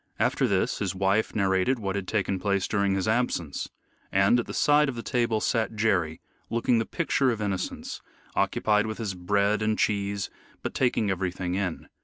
After this his wife narrated what had taken place during his absence. And at the side of the table sat Jerry, looking the picture of innocence, occupied with his bread and cheese, but taking everything in.